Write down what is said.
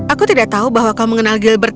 aku tidak tahu bahwa kau mengenal gilbert